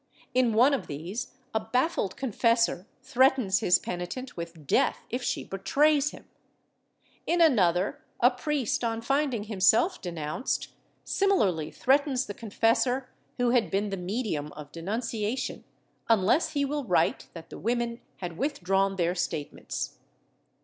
In one of these, a baffled confessor threatens his penitent with death if she betrays him; in another a priest, on finding himself denounced, similarly threatens the confessor who had been the medium of denunciation, unless he will write that the women had withdrawn their statements.